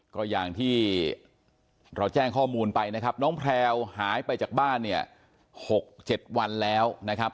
ก็อย่างที่เราแจ้งข้อมูลไปนะครับน้องแพลวหายไปจากบ้านเนี่ย๖๗วันแล้วนะครับ